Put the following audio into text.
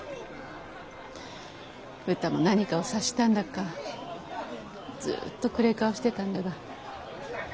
うたも何かを察したんだかずうっと暗え顔してたんだが。